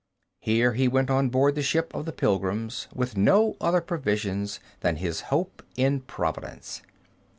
Here he went on board the ship of the pilgrims, with no other provision than his hope in Providence.